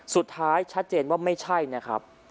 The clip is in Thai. สุดท้ายชัดเจนว่าไม่ใช่นะครับ